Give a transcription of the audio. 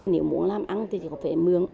nếu muốn làm ăn thì phải mượn